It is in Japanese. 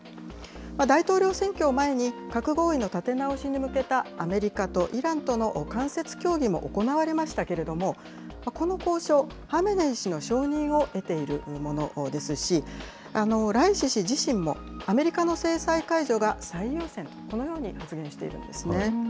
大統領選挙を前に核合意の立て直しに向けたアメリカとイランとの間接協議も行われましたけれども、この交渉、ハメネイ師の承認を得ているものですし、ライシ氏自身も、アメリカの制裁解除が最優先、このように発言しているんですね。